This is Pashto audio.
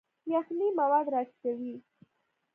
یخنۍ مواد راټیټوي.